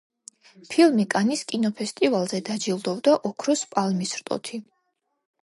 ფილმი კანის კინოფესტივალზე დაჯილდოვდა ოქროს პალმის რტოთი.